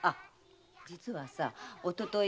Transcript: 実はおととい